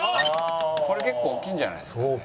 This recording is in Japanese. これ結構大きいんじゃないですかね。